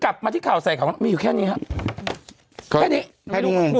กลับมาที่ข่าวใส่ของเขาแล้วไม่อยู่แค่นี้ฮะแค่นี้ให้ดู